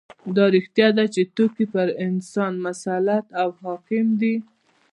دا رښتیا ده چې توکي پر انسان مسلط او حاکم دي